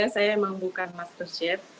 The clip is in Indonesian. saya memang bukan masterchef